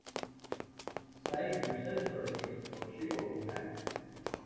Save you sister a piece, or she will be mad.